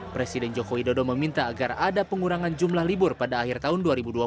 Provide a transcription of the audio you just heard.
presiden joko widodo meminta agar ada pengurangan jumlah libur pada akhir tahun dua ribu dua puluh